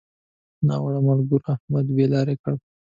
ناوړه ملګرو؛ احمد بې لارې کړ.